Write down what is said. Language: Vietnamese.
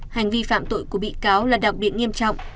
hành vi phạm tội của bị cáo là đặc biệt nghiêm trọng